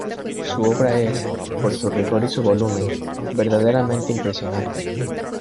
Su obra es, por su rigor y su volumen, verdaderamente impresionante.